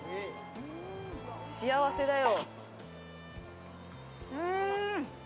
幸せだよ。